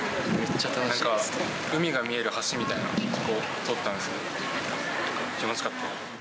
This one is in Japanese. なんか、海が見える橋みたいな所を通ったんですけど、気持ちよかった。